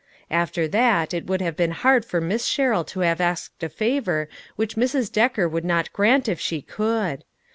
After that, it would have been hard for Miss Sherrill to have asked a favor which Mrs. Decker would not grant if she could.